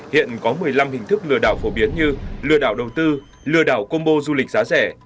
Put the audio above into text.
hiện có một mươi năm hình thức lừa đảo phổ biến như lừa đảo đầu tư lừa đảo combo du lịch giá rẻ